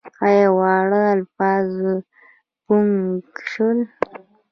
زما واړه الفاظ ګونګ شول